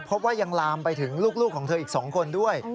พบว่ายังลามไปถึงลูกของเธออีก๒คนด้วย